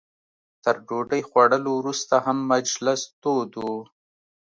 تر ډوډۍ خوړلو وروسته هم مجلس تود و.